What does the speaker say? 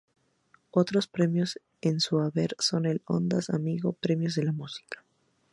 Otros premios en su haber son el Ondas, Amigo, Premios de la Música.